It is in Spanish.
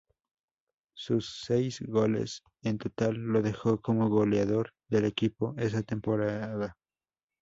Sus seis goles en total lo dejó como goleador del equipo esa temporada.